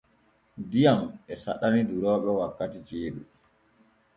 Diyam e saɗani durooɓe wakkati ceeɗu.